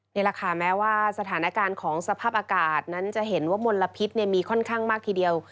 นี่แหละค่ะแม้ว่าสถานการณ์ของสภาพอากาศนั้นจะเห็นว่ามลพิษมีค่อนข้างมากทีเดียว